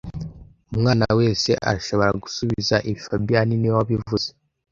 Umwana wese arashobora gusubiza ibi fabien niwe wabivuze